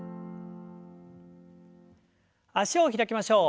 脚を開きましょう。